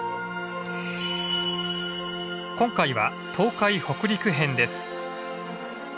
今回は東海北陸編です。